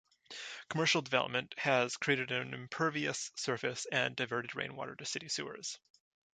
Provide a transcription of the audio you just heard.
Commercial development has created an impervious surface and diverted rainwater to city sewers.